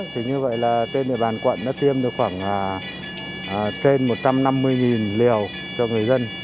thì như vậy là trên địa bàn quận đã tiêm được khoảng trên một trăm năm mươi liều cho người dân